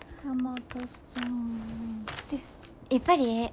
やっぱりええ。